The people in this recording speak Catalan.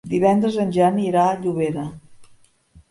Divendres en Jan irà a Llobera.